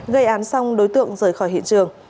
gây án xong đối tượng rời khỏi hiện trường